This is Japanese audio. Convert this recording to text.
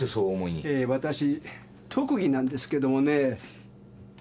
えーわたし特技なんですけどもね。